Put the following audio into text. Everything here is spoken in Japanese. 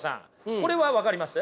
これは分かります？